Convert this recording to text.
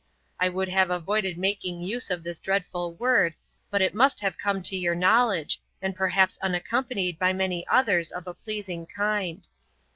I would have avoided making use of this dreadful word, but it must have come to your knowledge, and perhaps unaccompanied by many others of a pleasing kind.